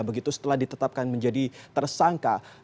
begitu setelah ditetapkan menjadi tersangka